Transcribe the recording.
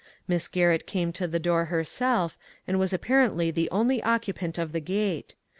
Miss Garrett came to the door herself, and was apparently the only occupant of the Gate.